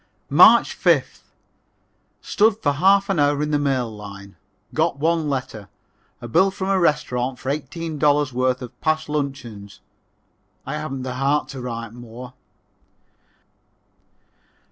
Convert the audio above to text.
March 5th. Stood for half an hour in the mail line. Got one letter. A bill from a restaurant for eighteen dollars' worth of past luncheons. I haven't the heart to write more.